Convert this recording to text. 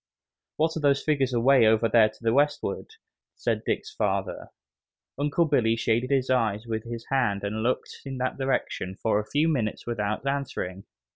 "What are those figures away over there to the westward?" said Dick's father. Uncle Billy shaded his eyes with his hand and looked in that direction for a few minutes without answering.